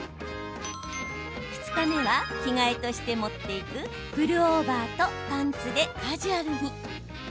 ２日目は着替えとして持って行くプルオーバーとパンツでカジュアルに。